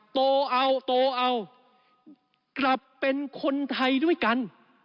โตเอาโตเอากลับเป็นคนไทยด้วยกัน